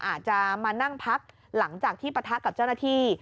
อาจจะมานั่งพักหลังจากที่ปะทะกับเจ้าหน้าที่